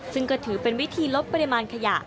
ซึ่งก็ถือเป็นวิธีลดปริมาณขยะ